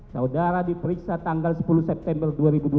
saudara diperiksa tanggal sepuluh september dua ribu dua puluh